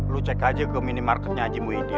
lu cek aja ke minimarketnya aji muhyidi